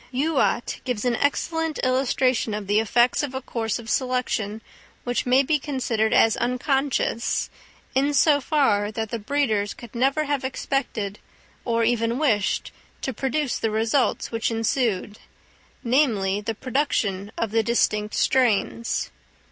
Youatt gives an excellent illustration of the effects of a course of selection which may be considered as unconscious, in so far that the breeders could never have expected, or even wished, to produce the result which ensued—namely, the production of the distinct strains.